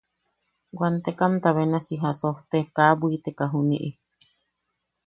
Wantekamta benasi si jasojte kaa bwiteka juniʼi.